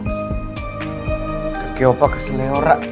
kak gio opa kesel ya ora